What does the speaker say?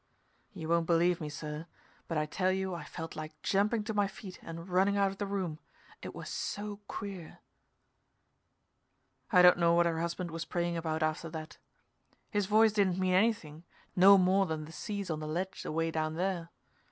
You won't believe me, sir, but I tell you I felt like jumping to my feet and running out of the room it was so queer. I don't know what her husband was praying about after that. His voice didn't mean anything, no more than the seas on the ledge away down there.